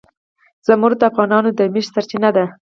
زمرد د افغانانو د معیشت سرچینه ده.